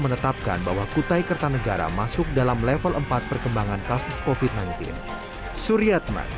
menetapkan bahwa kutai kertanegara masuk dalam level empat perkembangan kasus kofit naintin suriatma